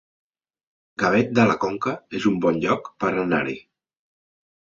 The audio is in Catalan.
Gavet de la Conca es un bon lloc per anar-hi